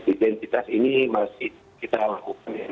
identitas ini masih kita lakukan ya